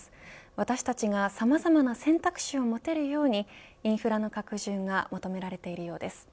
私たちがさまざま選択肢を持てるようにインフラの拡充が求められているようです。